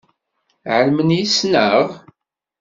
Ԑelmen yess-neɣ?